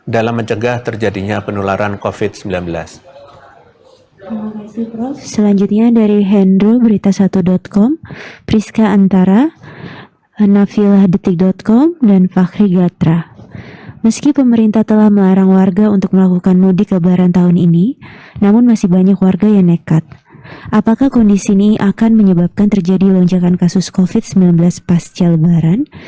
dalam mencegah terjadinya penolakan